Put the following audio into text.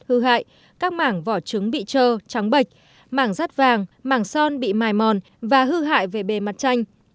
hư hại các mảng vỏ trứng bị trơ trắng bệnh mảng rát vàng mảng son bị mài mòn và hư hại về bề mặt tranh